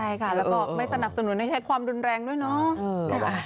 ใช่ค่ะแล้วก็ไม่สนับสนุนให้ใช้ความรุนแรงด้วยเนาะ